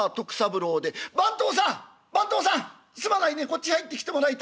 「番頭さん番頭さんすまないねこっち入ってきてもらいたい。